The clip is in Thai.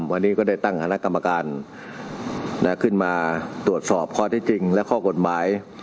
วันนี้ก็ได้ตั้งคณะกรรมการขึ้นมาตรวจสอบข้อที่จริงและข้อกฎหมาย